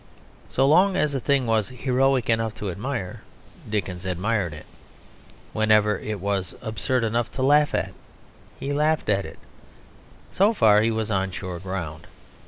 So long as a thing was heroic enough to admire, Dickens admired it; whenever it was absurd enough to laugh at he laughed at it: so far he was on sure ground.